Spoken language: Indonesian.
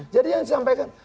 jadi yang saya sampaikan